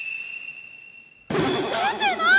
出てない！